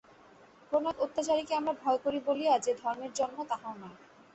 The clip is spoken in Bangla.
কোন এক অত্যাচারীকে আমরা ভয় করি বলিয়া যে ধর্মের জন্ম, তাহাও নয়।